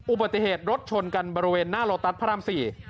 อุบัติเหตุรถชนกันบริเวณหน้าโลตัสพระราม๔